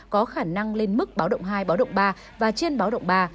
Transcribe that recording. có khả năng lên mức báo động hai báo động ba và trên báo động ba